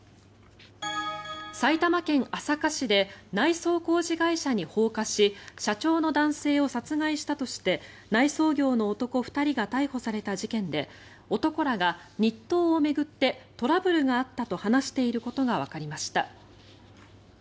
埼玉県朝霞市で内装工事会社に放火し社長の男性を殺害したとして内装業の男２人が逮捕された事件で男らが日当を巡ってトラブルがあったと話していることがわかりました。